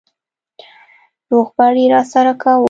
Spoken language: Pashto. روغبړ يې راسره کاوه.